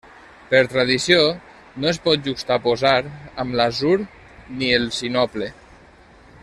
Per tradició, no es pot juxtaposar amb l'atzur ni el sinople.